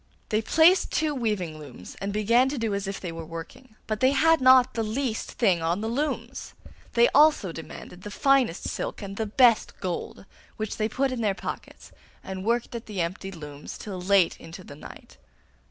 They placed two weaving looms, and began to do as if they were working, but they had not the least thing on the looms. They also demanded the finest silk and the best gold, which they put in their pockets, and worked at the empty looms till late into the night.